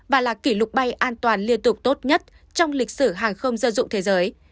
và là kỷ lục bay an toàn liên tục tốt nhất trong lịch sử hàng không dân dụng thế giới